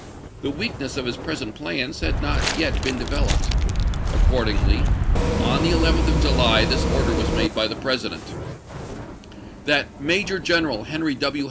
The weakness of his present plans had not yet been developed. Accordingly on the 11th of July this order was made by the President: "That Major General Henry W.